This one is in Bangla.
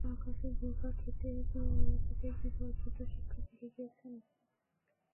আকাশে ঘুরপাক খেতে খেতে কি ভদ্রতার শিক্ষা ভুলে গিয়েছেন?